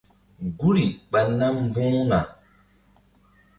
Guri ɓa nam mbu̧h na.